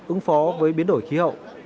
ứng phó với biến đổi khí hậu